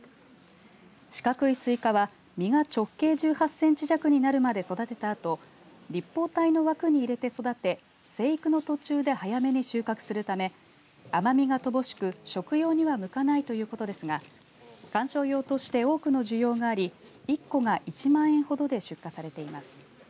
四角いスイカは実が直径１８センチ弱になるまで育てたあと立方体の枠に入れて育て生育の途中で早めに収穫するため甘みが乏しく食用には向かないということですが観賞用として多くの需要があり１個が１万円ほどで出荷されています。